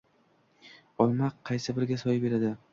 Olma qaysi biriga soya beradi?